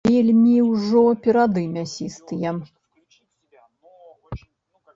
Вельмі ўжо перады мясістыя.